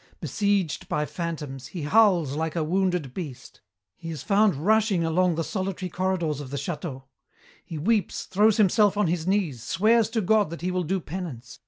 Besieged by phantoms, he howls like a wounded beast. He is found rushing along the solitary corridors of the château. He weeps, throws himself on his knees, swears to God that he will do penance.